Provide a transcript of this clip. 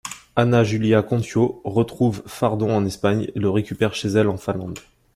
Anna-Julia Kontio retrouve Fardon en Espagne, et le récupère chez elle en Finlande.